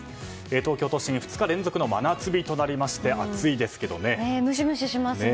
東京都心、２日連続の真夏日となりましてムシムシしますね。